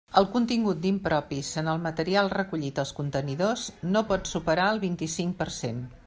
El contingut d'impropis en el material recollit als contenidors, no pot superar el vint-i-cinc per cent.